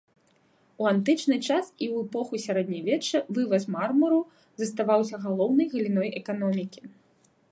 У антычны час і ў эпоху сярэднявечча вываз мармуру заставаўся галоўнай галіной эканомікі.